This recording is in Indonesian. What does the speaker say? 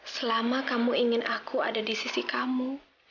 selama kamu ingin aku ada di sisi kamu